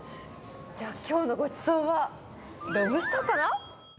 じゃあ、きょうのごちそうはロブスターかな？